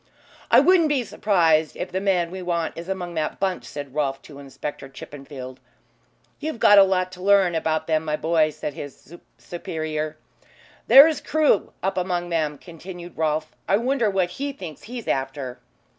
"I wouldn't be surprised if the man we want is among that bunch," said Rolfe to Inspector Chippenfield. "You've a lot to learn about them, my boy," said his superior. "There is Crewe up among them," continued Rolfe. "I wonder what he thinks he's after."